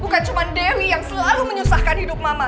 bukan cuma dewi yang selalu menyusahkan hidup mama